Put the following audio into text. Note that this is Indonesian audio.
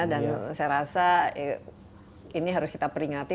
dan saya rasa ini harus kita peringati